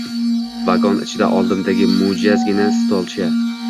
Vagon ichida oldimdagi mo‘’jazgina stolcha